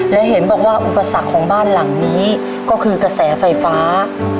และเห็นบอกว่าอุปสรรคของบ้านหลังนี้ก็คือกระแสไฟฟ้า